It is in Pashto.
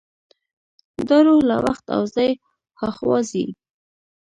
دا روح له وخت او ځای هاخوا ځي.